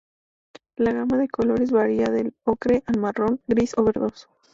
La gama de colores varía del ocre al marrón, gris o verdoso.